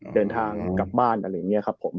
เดินทางกลับบ้านอะไรอย่างนี้ครับผม